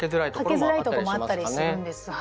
かけづらいとこもあったりするんです。